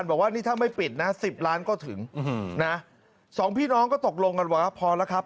บอกว่านี่ถ้าไม่ปิดนะสิบล้านก็ถึงนะสองพี่น้องก็ตกลงกันว่าพอแล้วครับ